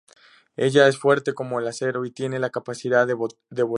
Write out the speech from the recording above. Ella es fuerte como el acero, y tiene la capacidad de volar.